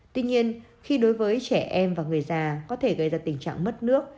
tuy nhiên khi đối với trẻ em và người già có thể gây ra tình trạng mất nước